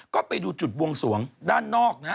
ก็ไปดูจุดบวงสวงด้านนอกนะฮะ